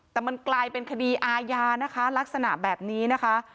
แต่มันกลายเป็นคดีอาญานะคะลักษณะแบบนี้นะคะ